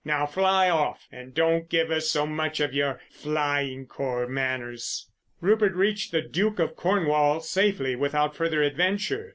Now, fly off, and don't give us so much of your ... Flying Corps manners." Rupert reached the "Duke of Cornwall" safely without further adventure.